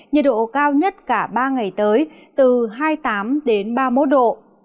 nhiệt độ cao nhất cả ba ngày tới từ hai mươi tám đến ba mươi một độ